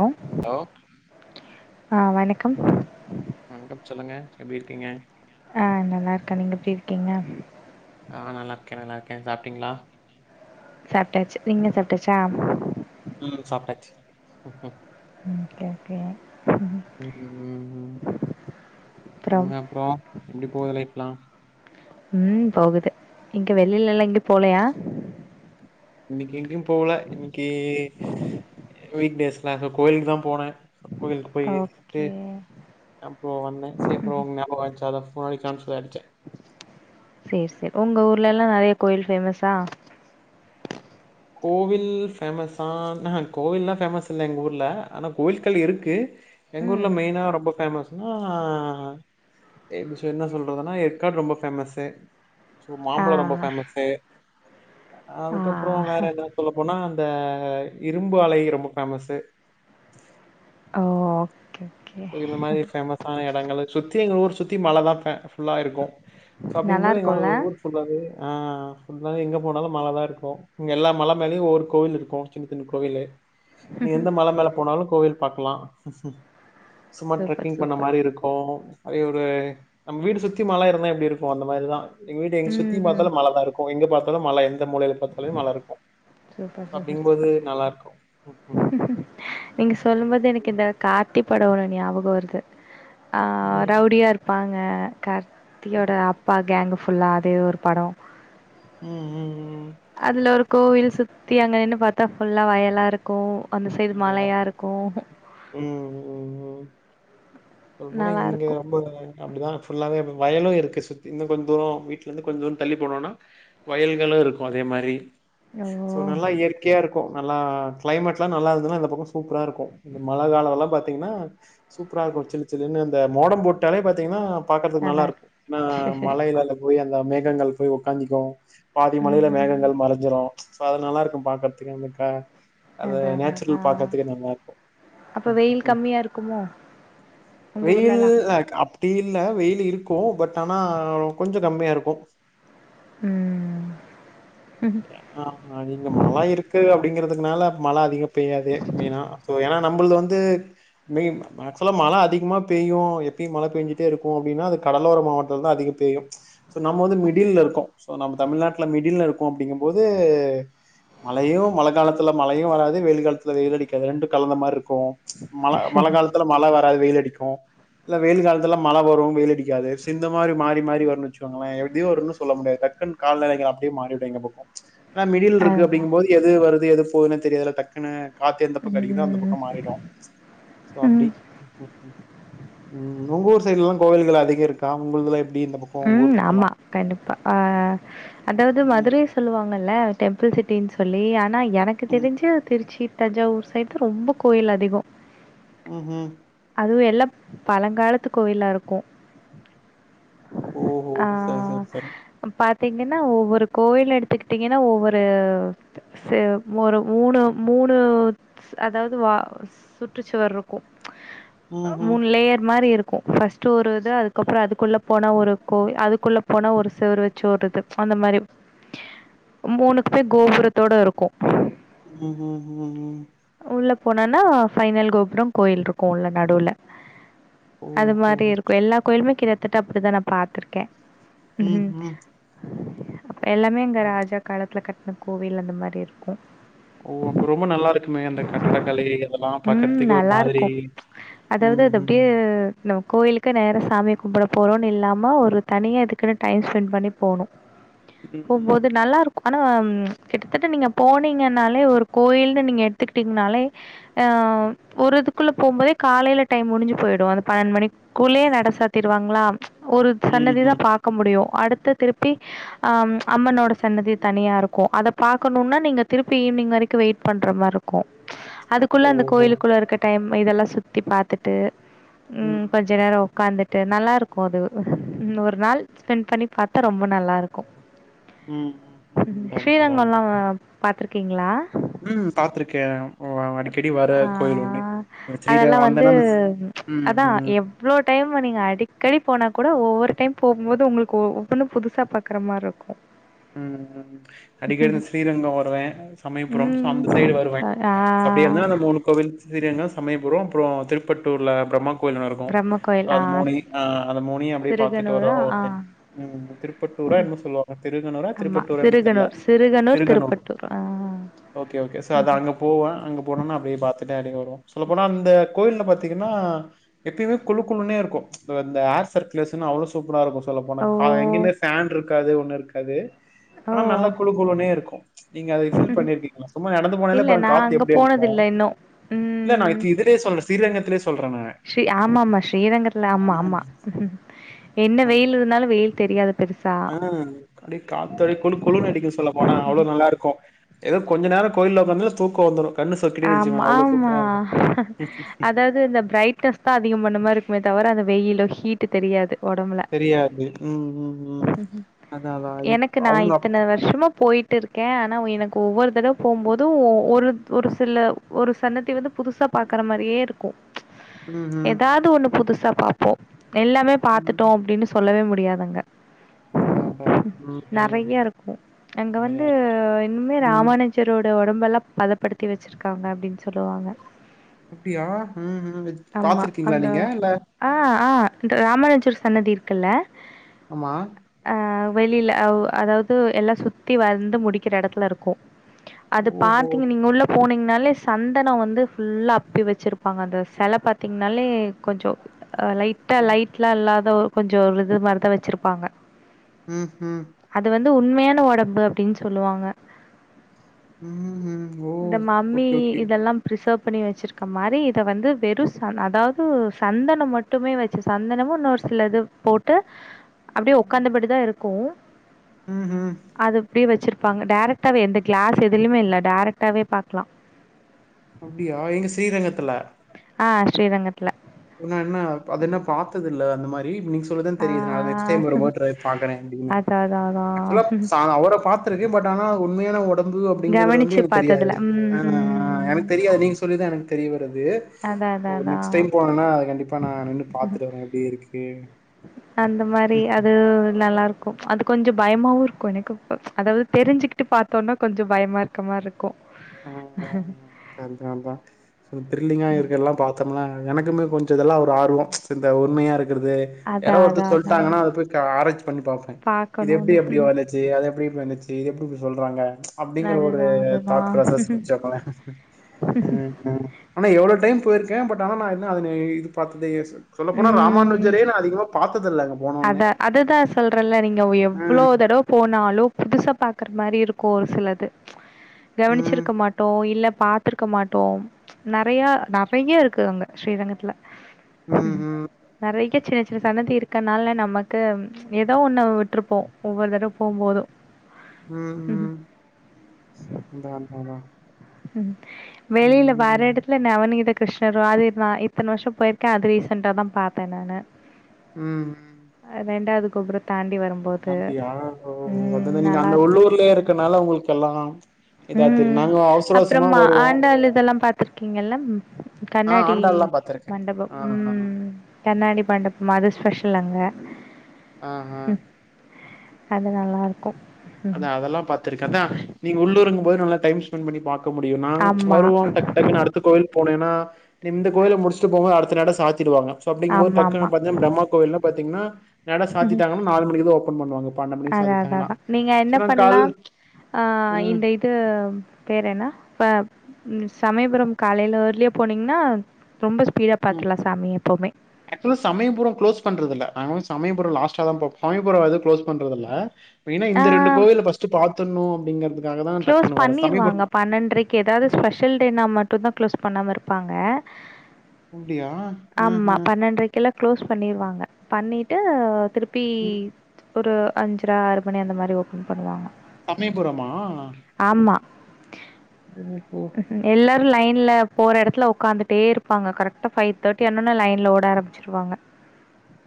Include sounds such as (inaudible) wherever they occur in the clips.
Hello hello ஆ வணக்கம் அ வணக்கம் சொல்லுங்க எப்டி இருக்கீங்க ஆஹ் நல்லா இருக்க நீங்க எப்டி இருக்கீங்க ஆஹ் நல்லா இருக்கேன் நல்லா இருக்கேன் சாப்டீங்ளா சாப்ட்டாச்சு நீங்க சாப்ட்டாச்சா ம் (unintelligible) ஓகே ஓகே ம் உம் உம் உம் அப்றம் சொல்லுங்க அப்புறம் எப்படி போகுது லைஃப்லாம் உம் போகுது இங்க வெளிலளா எங்கயு போலயா இனிக்கெங்கயும் போல இன்க்கி வீக்டேஸ்லாம் இப்ப கோயிலுக்கு தான் போனேன் கோயிலுக்கு போய்ட்டு ஓகே அப்புறம் வந்தே (unintelligible) செரி செரி உங்க ஊர்லலா நறைய கோயில் பேஃமஸா கோவில் பேமஸ் ஆன ஆஹா கோவில்லாம் பேமஸ் இல்ல எங்க ஊர்ல ஆனா கோவில்கள் இருக்கு எங்க ம் ஊர்ல மெயினா ரொம்ப பேமஸ்னா எப்டி என்ன சொல்றதுன்னா ஏற்காடு ரொம்ப பேமஸ் ஆ மாம்பழம் ரொம்ப பேமஸ் ஆ அதுக்கப்புறம் வேற என் சொல்லப்போனா அந்த இரும்பு அலை ரொம்ப பேஃமேசு ஓ ஓகே ஓகே சோ இந்த மாதிரி ஃபேமஸ் ஆன எடங்கள் சுத்தி எங்க ஊர் சுத்தி (unintelligible) ஃபுல்லா இருக்கும் சோ நல்லா அப்படிங்கும்பது எங்க வந்து இருக்குல்ல ஒரு ஊர் புல்லாவே நா ஃபுல்லாவே எங்க போனாலும் மழ தான் இருக்கும் இங்க எல்லா மல மேலயும் ஒவ்வொரு கோவில் இருக்கும் சின்ன சின்ன கோவிலு நீ எந்த மல மேல போனாலும் கோயில் பாக்கலாம் சும்மா சூப்பர் ட்ரெக்கிங் பண்ண சூப்பர் மாரி இருக்கோ அய ஒரு நம்ம வீடு சுத்தி மழ இருந்தா எப்டி இருக்கும் அந்த மாரிதான் எங்க வீடு எங்க ம் சுத்தியும் ம் பார்த்தாலும் மழை தான் இருக்கும் எங்க பார்த்தாலும் மழை எந்த மூலையில பார்த்தாலுமே மழ இருக்கும் சூப்பர் சூப்பர் சூப்பர் அப்படிங்கும்போது நல்லா இருக்கும் உம் உம் நீங்க சொல்லும் போது எனக்கு இந்த கா (unintelligible) படோ ஒண்ணு ஞாபகோ வருது ஆ ம். ரவுடியா இருப்பாங் ஆ (unintelligible) ம், த்தியோட அப்பா கேங்கு புல்லாதே ஒரு படோ ம், ம். அதுல ஒரு கோவில் சுத்தி அங்க நின்னு பாத்தா ஃபுல்லா வயலா இருக்கு அந்த சை (unintelligible) உம் உம் உம் சொல்ல போனா நல்லா இங்க இருக்கும் ரொம்பங்க அப்படிதான் ஃபுல்லாவவே வயலும் இருக்கு சுத்தி இன்னு கொஞ்ச தூர வீட்ல இருந்து கொஞ்ச தள்ளி போனோனா வயல்களு இருக்கு அதே மாரி ஓ சோ நல்லா இயற்கையா இரு கோ நல்லா க்ளைமேட் நல்லா இருன்னா பக்கம் சூப்பரா இருக்கும் இந்த மழ கால எல்லாம பாத்தீங்கன்னா சூப்பரா இருக்கும் சில்லு சில்லுனு இந்த மோடம் போட்டாலே பாத்தீங்கனா பாக்கறதுக்கு நல்லா இருக்கு ஏன்னா மழைல அங்க போய் அந் அ மேகங்கள் போய் உக்காந்துக்கு பாதி மலைல ம் மேகங்கள் மறஞ்சிரோ சோ அது நல்லா இருக்கு பாக்கறதுக்கே (unintelligible) அது அதா அதா அதா நேச்சுரல் பாக்குறதுக்கே நல்லா இருக்கு அப்ப வெயில் கம்மியா இருக்குமோ உங்க வெயில் ஊர்லலாம் (unintelligible) டி இல்ல வெயில் இருக்கும் பட் ஆனா கொஞ்ச கம்மியா இருக்கும் ம் (unintelligible) நீங்க மழை இருக்கு திங்குறதுனால மழ அதிகோ பெய்யாது மெய்னா சோ ஏன்னா நம்மள்து வந்து மெய் ஆக்சுவலா மழ அதிகமா பெய்யு எப்பயு மழ பேஞ்சுட்டே இருக்கும் அப்டின்னா அது கடலோர மாவட்டத்துலதா அதிகோ பெய்யு சோ நம்ம வந்து மிடில்ல இருக்கோ சோ நம்ம தமிழ்நாட்ல மிடில்ல இருக்கோ அப்டிங்கும்போது மழையு மழ காலத்துல மழையும் வராது வெயில் காலத்துல வெயில் அடிக்காது ரெண்டு கலந்த மாரிருக்கு மழ-மழ காலத்துல மழ வராது வெயில் அடிக்கு இல்ல வெயில் காலத்துல மழ வரு வெயில் அடிக்காது சோ இந்த மாரி மாறி மாறி வருன்னு வச்சுக்கோங்களே எப்டி வருன்னு சொல்ல முடியாது டக்குனு காலநிலைக அப்டியே மாறிடு எங்க பக்கம் ஆனா மிடில்ல இருக்கு அதுதான் அப்டிங்கும்போது எது வருது எது போதுன்னு தெரியாதுல தக்குன்னு காத்து எந்த பக்க அடிக்குதோ அந்த ம் பக்கம் மாறிடு சோ ம் அப்டி ம் ம் உங்க ஊர் சைடு்லல்லா கோவில்கள் அதிகோ இருக்கா உங்குள்துல எப் உம் ஆமா கண்டிப்பா ஆஹ் அதாவது ம் மதுரை சொல்லுவாங்குல டெம்பிள் சிட்டின்னு சொல்லி ஆனா எனக் எனக்கு ம் தெரிஞ்சு திருச்சிக் த் தஞ்சாவூர் சைடு தா ரொம்ப கோயில் அதிகோ ஹூ ஹும் அதுவும் எல்லாம் பழங்காலத்து கோவிலா இருக்கு ஓஹோ சரி ஹ சரி சரி பாத் ப்த்தீங்கன்னா ஒவ்வொரு கோயில எடுத்துக்கிட்டீங்கன்னா ஒவ்வொரு ச ஒரு மூணு மூணு அதாவது வா சுற்றுச்சுவர் இருக்கும் ம்ஹூம் மூணு லேயர் மாரி இருக் இருக்கும் ஃபஸ்ட்ட் ஒரு இது அதுக்கப்புறம் அதுக்குள்ளே போன ஒரு கோ அதுக்குள்ள போனா ஒரு செவறு வச்சி ஒரு இது அந்த மாதிரி மூணுக்குமே கோபுரத்தோடு இருக்கும் உம் உம் உம் உம் போனனா பைனல் கோபுரம் கோயில் இருக்கும் உள்ள நடுவுல அது ஓஹோ! மாதிரி இருக்கும் எல்லா கோயில்மே கிழே (unintelligible) அப்படி தானப் பாத்துருக்கே இம் உம் எல்லாமே இங்க ராஜா காலத்துல கட் அந் கோவில் அந்த மாரி இருக்கும் ஓ அப்ப ரொம்ப நல்லா இருக்குமே அந்த கட்டடகலை அதெல்லாம் ம் பாக்குறதுக்கு ஒரு மாதிரி நல்லாருக்கு அதாவது உம் அது ம் அப்டியே நம்ம கோயிலுக்கு நேரம் சாமி கும்பிட போறோம்னு இல்லாம சும்மா ஒரு தனியா இதுக்குன்னு டைம் ஸ்பெண்ட் பண்ணி போணும் ம், ம், போம்போது ம். நல்லா இருக்கும் ஆனா உம் கிட்டத்தட்ட நீங்க போனீங்கனாலே ஒரு கோயில்னு நீங்க எடுத்துக்கிட்டீங்கன்னாலே அஹ் ஒரு இதுக்குள்ள போகும்போதே காலையில டைம் முடிஞ்சு கிட்டத்தட்ட நீங்க போனிங்கனாலே ஒரு கோவில்னு நீங்க எடுத்துகிட்ங்கனாலே ஓஹோ போரதுக்குள்ள போம்போதா காலைலடைம் முடிஞ்சி போயிடும் அந்த பன்னெண்டு மணிக்குள்ளயே நட சாத்திருவாங்களா ஒரு ம், ம். சன்னதிதான் பாக்க முடியும் அடுத்த திருப்பி அஹ் அம்மனோட சன்னதி தனியா இருக்கும் அத அடுத்த திருப்பி அம்மனோட சன்னதி தனியா இருக்கும் அத பாக்கணும்னா நீங்க திருப்பி ஈவினிங் வரைக்கும் வெயிட் பண்ற மாறுக்கும் அதுக்குள்ள அந்த ஓஹோ! கோயிலுக்குள்ளே இருக்க டைம் இதெல்லாம் சுத்தி பார்த்துட்டு ம், உம் கொஞ்ச நேரம் உக்கார்ந்துட் து நல்லா இருக் அது ஒரு நாள் ஸ்பெண்ட் பண்ணி பார்த்தா ரொம்ப நல்லா இருக்கும் ம், ம், ம். அதான், ஸ்ரீரங்கம் எல்லாம் பாத்ரரூ கிங்ல உம் பாத்திருக்கேன் அடிக்கடி வர ஆ கோயில் ஒண்ணு அதெல்லா ஸ்ரீரகம் வந்து வந்தேன்னா அ உம் அதா உம் எவ்ளோ டைம் நீங்க அடிக்கடி போனா கூட ஒவ்வொரு டைம் போகம்மோது உங்களுக்கு ஒவ்வொன்னு புதுசா பாக்குற மாதிரி இருக்கும் ஹம்ம் அடிக்கடி ஸ்ரீரங்கம் வருவேன் சமயபுரம் சோ அந்த சைடு ம் வருவேன் ஆ அப்படிய இருந்தா‌ அந்த மூணு கோவில் ஸ்ரீரங்கம் சமயபுரம் அப்புறோ திருப்பட்டூர்ல ப்ரம்ம கோயிலா இருக்கும் பிரம்ம கோயில் ஆ அது மோனி ஹ அந்த மோனி அப்படியே பாத்துட்டு வர சிறுகனூரா ஆ (unintelligible) திருப்பட்டூரா என்னமொ சொல்லுவாங்க திருகனூரா ஆமா திருப்பத்தூரான்னு தெர்ல சிறுகனூர் சிறுகனூர் திருகனூர் திருப்பட்டூர் ஆ ஓகே ஓகே சோ அது ம்ஹ்ம். அங்க போவே அங்க போனன்னா அப்டியே பாத்துட்டு அப்டியே வருவோ சொல்லப்போனா அந்த கோவி யில பாத்தீங்கன்னா எப்பயுமே குளுக்குளுனே இருக்கும் இந்த இந்த ஏர் சர்குலேஷன் அவ்ளோ சூப்பரா இருக்கும் சொல்ல போன ஓ கா எங்கியுமே ஃபேன் இருக் (unintelligible) அது ஒண்ணு இருக்கு அது ஓ ஆனா நல்ல குளுகுளுனே இருக்கும் நீங்க அத ஃபீல் பண்ணிருக்கீங்ளா சும்மா நடந்து போனாலே இல்ல பாருங்க நா காத்து அங்க எப்டி அடிக்கும் போனதில்ல இன்னு இல்ல நான் ம் இதுலயே சொல்றேன் (unintelligible) ஸ்ரீ ஆமா-ஆமா ஸ்ரீரங்கத்துல ஆ ஆமா-ஆமா என்ன அன் வெயில் இருந்தாலும் வெயில் தெரியாது பெருசா ஆ அப்டியே காத்து குளுகுளுன்னு அடிக்கு சொல்லப் போனா அவ்ளோ நல்லா இருக்கும் ஏதோ கொஞ்ச நேரோ கோயில்ல வந்து தூக்கோ வந்தரு ஆமா-ஆமா ம் அதாவது இந்த பிரைட்னஸ்தா அதிகம் பண்ண மாரி இருக்குமே தவிர அந்த வெயிலு ஹீட்டு் தெரியாது ஒடம்புல தெரியாது ம்-ம்-ம் அதா அதா இப் அவுங்க அப் ட்டிருக்கே ஆனா எனக்கு ஒவ்வொரு தடவை போம்போதும் ஒவ் ஒரு ஒரு இதுல ஒரு சன்னதி வந்து புதுசா பாக்குற மாதிரியே இருக்கும் ம் ம் ஏதாவது ஒன்னு புதுசா பாப்போம் எல்லாமே ம் ம் பாத்துட்டோ அப்டின்னு சொல்லவே முட் முடியாதங்க அதா அதா ம் ம் நெறைய இருக்கு அங்க வந்து நெறையா இன்னுமே ம் ராமானுஜரோட ஒடம் நல்லா பதப்படுத் ட்டி வச்சிருக்காங்க அப்டின்னு அப்டியா ம் ம்ஹும் இது ஆமா. பாத்துருக்கீங்களா அங்க நீங்க இல்ல ஆ, ஆ. ராமானுஜர் சன்னதி இருக்குல்ல ஆமா வெளில அவ் அதாவது எல்லா சுத்தி வந்து முடிக்கிற எடத்துல இருக்கு அது ஓஹோ பாத்தீங்க நீங்க உள்ள போனிங்னாலே சந்தனம் வந்து ஃபுல்லா அப்பி வச்சிருப்பாங்க அந்த செல பாத்திங்கனாலே கொஞ்சோ அ லைட்டா ம் லைட்லா இல்லாத கொஞ்ச விழுகுற மாரிதா வச்சிருப்பாங்க ம் ஹும் இது உண்மையான ஒடம்பு அப்டின்னு சொல்லுவாங்க ம் ம் ஓ இந்த மம்மி ஓகே ஓகே இதெல்லா பிரிசர்வ் பண்ணி வச்சிருக்க மாரி இத வந்து வெறு ச அதாவது சந்தனோ மட்டுமே வச்சு சந்தனமு இன்னொரு சில இது போட்டு அப்டியே ம் உக்காந்தபடிதா இருக் க்கும் ம் ம் அது அப்டியே வச்சிருக் ப்பாங்க டைரக்டாவே எந்த கிளாஸ் எதுலுமே இல்ல டைரக்ட் ட்டாவே பாக்கலா அப்டியா எங்க ஸ்ரீரங்கத்துல ஆ ஸ்ரீரங்கத்துல ன்ன என்ன அது என்ன பாத்தது இல்ல அந்த மாரி (unintelligible) சொல்லிதா ஆ தெரியது நா நெக்ஸ்ட் டைம் வரும்போது ட்ரை பாக்கறே அப்டினு அதான் அதான் ஆக்சுவலா அதான். நா அவர பாத்துருக்கேன் பட் ஆனா உண்மையான உடல் இருந்தது அப்டிங்கிறது வந்து கவனிச்சு எனக்கு பாத்ததுல. தெரியாது ஆ ம் ம். எனக்கு தெரியாது நீங்க சொல்லிதா எனக்கு தெரிய வருது அதான் ஓ அதான் நெக்ஸ் அதான். டைம் போனேனா அது கண்டிப்பா நா நின்னு பாத்துட்டு வரேன் எப்டி இருக்கு அந்த மாரி அது நல்லா இருக்கும் அது கொஞ்ச பயமாவு இருக்கும் எனக்கு இப்ப அதாவது தெரிஞ்சசுக்கிட்டு பாத்தோம்னா கொஞ்ச பயமா இருக்க மாரி இருக் ம்-ம்-ம் அதான்- அதான் சோ த்ரில்லிங்கா ம். இருக்கு எல்லாம் பாத்தோம்னா அ எனக்குமே கொஞ்ச இதெல்லா ஒரு ஆர்வோ இந்த உண்மையா இருக் இருக்குறது யாராவது அதான் ஒருத்தர் அதான் அதான். சொல்ட்டாங்கன்னா அத போய் க ஆராச்சி பண்ணி பாப்பேன் இது பாக்கணும்னு. எப்டி-அப்டி வந்துச்சு அது எப்டி வந்துச்சு இது எப்டி இப்டி சொல்றாங்க அப்டிங்கற ஒரு அதுதான் தாட் அதுதான். (unintelligible) ஆ ஆ ஆனா இப் எவ்ளோ டைம் போயிருக்கே பட் ஆனா நா என்ன அதுன இது பாத்ததே யோச சொல்லப் போனா ராமானுஜரே நா அதிகமா பாத் அத அதுதா சொல்றல்ல நீங்க எவ்ளோ ம் தடவை போனாலு புதுசா பாக்குற மாரி இருக்கு ஒரு சிலது ம் கவனிச்சிருக்க மாட்டோ இல்ல பாத்துருக்க மாட்டோ நெறைய-நெறைய இருக்கு அங்க ஸ்ரீரங்கத்துல ம் ம் நெறைய (unintelligible) சில சன்னதி இருக் க்கனால நமக்கு ஏதோ ஒன்ன விட்ருப்போ ஒவ்வொரு தடவ போம்போதும் ம். ம்-ம் அதான்-அதான் அதா ம் வெளியில வர ம் எடத்துல நவநீதக் கிருஷ்ணரு ஆதிர் நா இத்தன வருஷோ போயிருக்கே அது ரீசன்டாதா பாத்தேன் நானு ம்-ம் கோபுரத்தான் அப்டியா ஓ-ஓ அதுதா நீங்க அந்த உள்ளூர்லயே இருக்கனால உங்களுக்கு எல்லா இதா உம் தெரியு நாங்க அவசர அவசரமா அப்புறம்மா வருவோ ஆண்டாள் இதெல்லாம் பாத்திருக்கீங்கல்ல ஆ கண்ணாடி ஆண்டாள்லா பாத்திருக்கே மண்டபம் ஆ ஆ உம் கண்ணாடி மண்டபம் மதுஸ்பேஷ இல்லங்க ஆஹ் ஆஹ் அது நல்லாருக்கும் அதான் அதெல்லாம் பாத்துருக்கேன் அதான் நீங்க உள்ளூருங்கபோது நல்லா டைம் ஸ்பெண்ட் பண்ணி பாக் போ முடியும் நாங்க ஆமா வருவோம் டக்கு டக்குன்ன அடுத்த கோவில் போனேன்னா இந்த கோயில முடிச்சுட்டு போக அடுத்த நட சாத்திடுவாங்க சோ அப்டிங்கமோது ஆமா ஆமா டக்குன்னு பாத்த பிரம்மா கோவில்லா பாத்தீங்கன்னா (inaudible) நட சாத்திட்டாங்கன்னா நாலு மணிக்குதான் ஓப்ப போன் பண்ணுவாங்க பன்னெண்டு மணிக்கு அத - அத சாத்திட்டாங்கன்னா அதான் நீங்க சோ என்ன நாங்க கால் பண்ணலாம் ஆஹ ம் இந்த இது பேர் என்னா ம் சமயபுரம் காலையில ஏர்லியா போனீங்கன்னா ரொம்ப ஸ்பீடா உம் பாத்துரலா சாமி எப்பவுமே ஆக்சுலா சமயபுரம் க்ளோஸ் பண்றதுல நாங்களும் சமய றம் லாஸ்ட்டதான் போவும் (unintelligible) க்ளோஸ் பண்றதுல்ல மெய்னா இந்த ரெண்டு கோயில ஃபர்ஸ்ட் பார்த் துனோ அப்டிங்கறது கிளோஸ் பண்ணிருவாங்க பன்னென்றரைக்கு ஏதாவது ஸ்பெஷல் டே நா மட் இப்பதான் க்ளோஸ் பண்ணாம இருப்பாங்க அப்டியா? ஆஹ. ஆமா பன்னெண்டரைக்குலாம் க்ளோஸ் பண்ணிருவாங்க பண்ணிட்டு திருப்பி ம். ஒரு அஞ்சர ஆறு மணி அந்த மாதிரி ஓப்பன் பண்ணுவாங்க சமயபுரமா ஆமா. ஓஹோ ம்ஹ்ம். எல்லாரும் லைன்ல போற இடத்துல உட்காந்துட்டே இருப்பாங்க கரெக்டா பைவ் தேர் க்கு என்னன்னா லைன்ல ஓட ஆரம்பிச்சிருவாங்க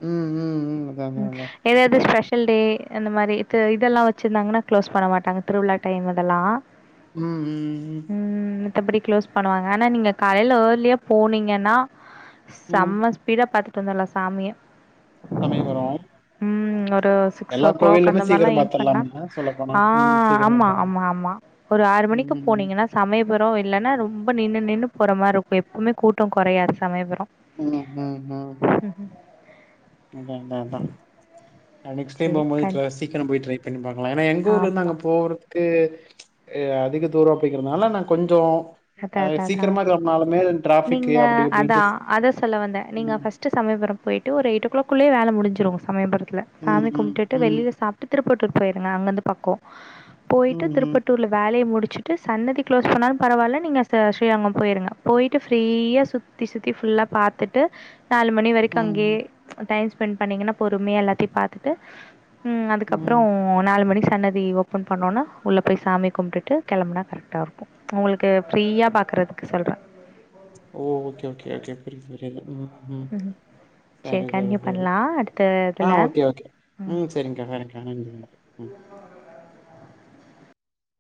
ம், ம், ம். அதான், அதான், அதான். ஏதாவது ஸ்பெஷ் ல்டே அந்த மாரி இது போன்று இதெல்லாம் வச்சருந்தாங்கன்னா க்ளோஸ் பண்ண மாட்டாங்க திருவிழா டைம் அதெல்லாம் உம் - உம் - உம் எப்டி க்ளோஸ் பண்ணுவாங்க ஆனா நீங்க காலைல ஏர்லியா போனீங்கன்னா ம். செம்ம ஸ்பீடா பாத்து (unintelligible) வந்தரலா சாமிய சமயபுரம். ம் ஒரு சிக்ஸ் ஓ எல்லா கிளாக் கோவில்லுமே அந்த மாரில்லா சீக்கிரம் எய்ம் பண்ணா பாத்துர்லாம்ல சொல்லப்போனா. ஆ ம். சீக்கிரமா ஆமா போலாம். ஆமா ஆமா ஒரு ஆறு ம், மணிக்கு ம், ம். போனீங்கன்னா சமைய புரோ இல்லன்னா ரொம்ப நின்னு நின்னு போற மாரி இருக்கும் எப்பவுமே கூட்டோ கொறையாது சமயபுரோ ம் ம் ம் அதான் அதான் அதான் நா நெக்ஸ்ட் டைம் சேரி போகும் போது கண் ட்ர சீக்கிர போய் ட்ரை (unintelligible) ஏன்னா எங்க ஊர்ல இருந்து ஆமா அங்க போறதுக்கு ஆ அதிக தூரோ அப்டிங்கறதுனால நா கொஞ்சோ அதா அ அதா அதான் சீக்கிரமா கெளம்புனாலுமே டிராஃபிக்கு நீங்க அப்டி இப்டின்ட்டு அதான் அதா சொல்ல வந்த நீங்க ம். ஃபர்ஸ்ட்டடு சமயபுரோ போயிட்டு ஒரு எயிட் ஓ கிளாக் குள்ளயே வேல முடிஞ்சிரும் சமயபுரத் இல்ல ம், சாமி ம், கும்ட்டுட்டு ம், வெளில சாப்ட்டு திருப்பத்தூர் போயிருங்க அங்க இருந்து பக்கோ போயிட்டு ம், ம், திருப்பத்தூர்ல வேலைய முடிச் ச்சிட்டு சன்னதி க்ளோஸ் பண்ணாலு பரவால்லன்னு (unintelligible) ஸ்ரீரங்கம் போயிருங்க போயிட்டு ஃப்ரீயா சுத்தி சுத்தி ஃபுல்லா பாத்துட்டு நாலு மணி வரைக்கு அங்கயே ம், டைம் ஸ்பெண்ட் பண்ணீங்கன்னா பொறுமையா எல்லாத்தையு பாத்துட்டு ம் அதுக்கப்றோ நாலு மணிக் சன்னதி ஓப்பன் பண்ணவுட்னே உள்ள போய் சாமி கும்டுட்டு கெளம்புனா கரெக்டா இருக்கும் உங்களுக் க்கு ப்ரீயா பாக்கறதுக்கு சொல்ற ஓ ஓகே ஓகே ஓகே புரியுது புரியுது ம் ம் ம் சேரி சரி சரி கண்டினியூ சரி பண்ணலா அடுத்த ஆ இதுல ஓகே ஓகே ம் சரி்ங்க்கா சரிங்க்கா நன்றி நன்றி ம்